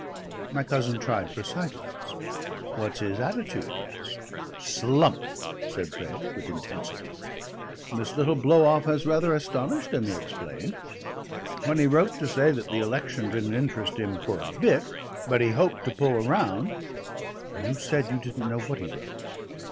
My cousin tried for sidelights. "What's his attitude?" he asked. "Slump," said Fred with intensity. "This little blow off has rather astonished him," he explained. "When he wrote to say that the election didn't interest him for a bit, but he hoped to pull around " "You said you didn't know what he wrote."